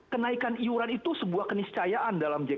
kenaikan iuran itu sebuah keniscayaan dalam jk